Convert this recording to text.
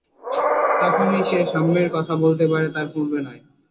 তখনই সে সাম্যের কথা বলতে পারে, তার পূর্বে নয়।